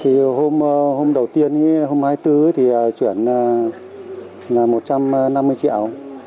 thì hôm đầu tiên hôm hai mươi bốn thì chuyển là một trăm năm mươi triệu